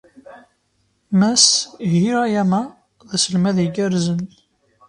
Mass Hirayama d aselmad igerrzen.